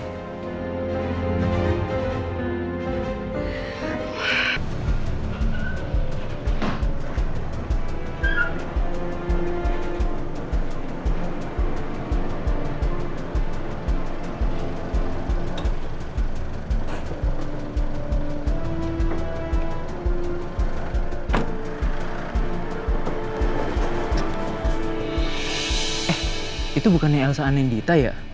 eh itu bukannya elsa anindita ya